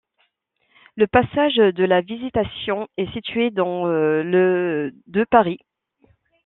Le passage de la Visitation est situé dans le de Paris.